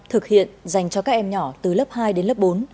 thực hiện dành cho các em nhỏ từ lớp hai đến lớp bốn